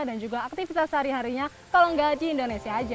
dan juga aktivitas sehari harinya kalau nggak di indonesia aja